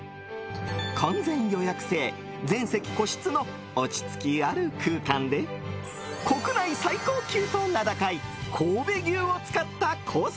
完全予約制・全席個室の落ち着きある空間で国内最高級と名高い、神戸牛を使ったコース